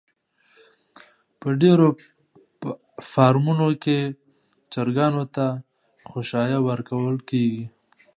په ډېرو فارمونو کې چرگانو ته خؤشايه ورکول کېږي.